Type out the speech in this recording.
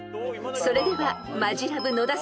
［それではマヂラブ野田さん］